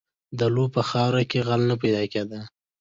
• د لو په خاوره کې غل نه پیدا کېده.